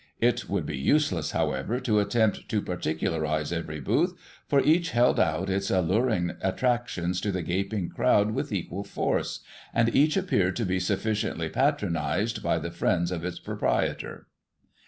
It would be useless, however, to attempt to particularize every booth, for each held out its alluring attractions to the gfaping crowd with equal force, and each appeared to be sufficiently patronized by the friends of its proprietor.